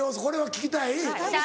・聞きたい！